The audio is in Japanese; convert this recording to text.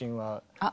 あっ！